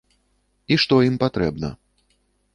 І што ім патрэбна.